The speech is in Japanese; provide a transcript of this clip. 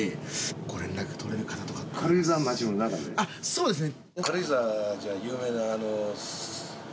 そうですね。